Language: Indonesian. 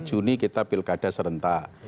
juni kita pilkada serentak